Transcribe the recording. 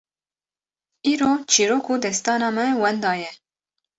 Îro çîrok û destana me wenda ye!